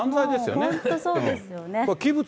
もう本当そうですよね。